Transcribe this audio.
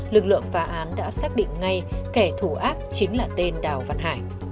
lực lượng phá án đã xác định ngay kẻ thù ác chính là tên đào văn hải